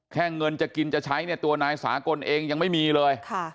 เงินจะกินจะใช้เนี่ยตัวนายสากลเองยังไม่มีเลย